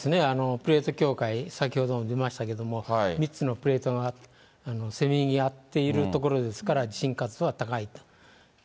プレート境界、先ほども出ましたけれども、３つのプレートがせめぎ合っている所ですから、地震活動は高い。